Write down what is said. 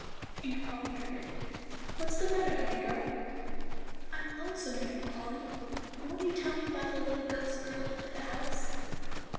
Aunt Polly heard it. "What's the mattah, honey girl?" "I'm lonesome, Aunt Polly; won't you tell me 'bout the little ghost girl up at the house?"